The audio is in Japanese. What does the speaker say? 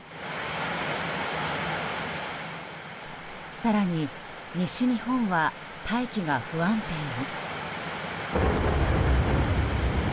更に、西日本は大気が不安定に。